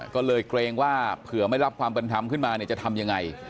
ก็เลยเกรงว่าเผื่อไม่รับความเป็นธรรมขึ้นมาเนี่ยจะทำยังไง